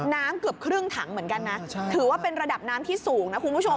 น้ำเกือบครึ่งถังเหมือนกันนะถือว่าเป็นระดับน้ำที่สูงนะคุณผู้ชม